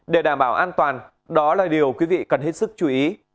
để đảm bảo an toàn đó là điều quý vị cần hết sức chú ý